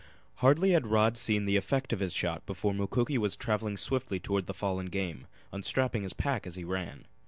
Hardly had Rod seen the effect of his shot before Mukoki was traveling swiftly toward the fallen game, unstrapping his pack as he ran.